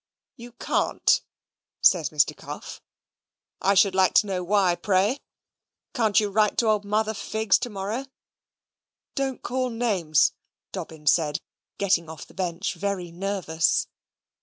"You CAN'T?" says Mr. Cuff: "I should like to know why, pray? Can't you write to old Mother Figs to morrow?" "Don't call names," Dobbin said, getting off the bench very nervous.